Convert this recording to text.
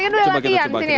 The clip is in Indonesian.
itu kalau gak kelihatan